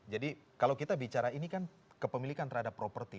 kalau kita bicara ini kan kepemilikan terhadap properti